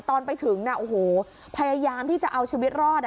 ตอนไปถึงโอ้โหพยายามที่จะเอาชีวิตรอด